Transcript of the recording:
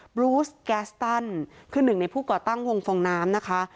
บลูสแกสตันคือหนึ่งในผู้ก่อตั้งวงฟองน้ำนะคะ